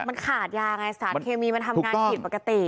มันขาดยาไงสารเคมีมันทำงานผิดปกติ